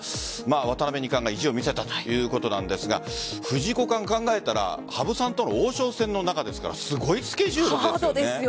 渡辺二冠が意地を見せたということなんですが藤井五冠、考えたら羽生さんとの王将戦の中ですからすごいスケジュールですよね。